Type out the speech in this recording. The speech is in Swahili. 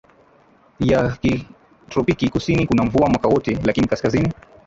ya kitropiki Kusini kuna mvua mwaka wote lakini kaskazini